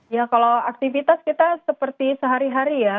ya kalau aktivitas kita seperti sehari hari ya